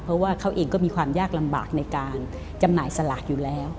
เพราะว่าเขาเองก็มีความยากลำบากในการจำหน่ายสลากอยู่แล้ว